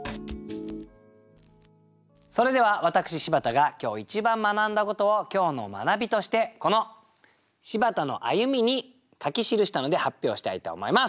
それでは私柴田が今日一番学んだことを今日の学びとしてこの「柴田の歩み」に書き記したので発表したいと思います。